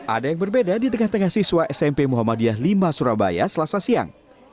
ada yang berbeda di tengah tengah siswa smp muhammadiyah lima surabaya selasa siang